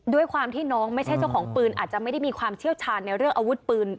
ด้วยความที่น้องไม่ใช่เจ้าของปืนอาจจะไม่ได้มีความเชี่ยวชาญในเรื่องอาวุธปืน